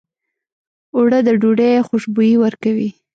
اوړه د ډوډۍ خوشبويي ورکوي